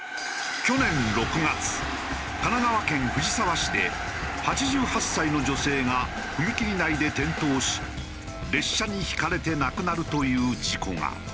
去年６月神奈川県藤沢市で８８歳の女性が踏切内で転倒し列車にひかれて亡くなるという事故が。